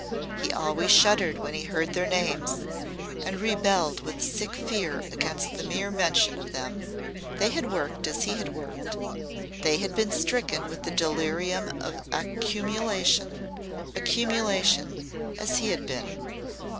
He always shuddered when he heard their names, and rebelled with sick fear against the mere mention of them. They had worked as he had worked, they had been stricken with the delirium of accumulation accumulation as he had been.